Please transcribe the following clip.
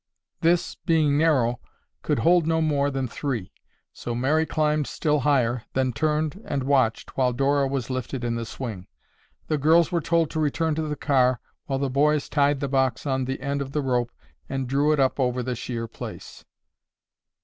This, being narrow, could hold no more than three. So Mary climbed still higher, then turned and watched, while Dora was lifted in the swing. The girls were told to return to the car while the boys tied the box on the end of the rope and drew it up over the sheer place.